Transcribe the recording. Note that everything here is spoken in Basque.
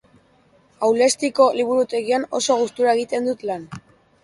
Aulestiko liburutegian oso gustura egiten dut lan!